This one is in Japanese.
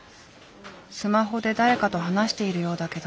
スマホで誰かと話しているようだけど。